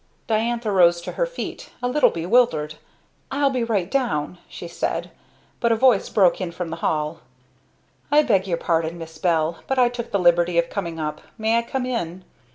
Diantha rose to her feet, a little bewildered. "I'll be right down," she said. But a voice broke in from the hall, "I beg your pardon, Miss Bell, but I took the liberty of coming up; may I come in?"